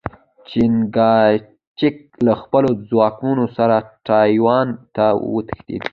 چیانکایچک له خپلو ځواکونو سره ټایوان ته وتښتېد.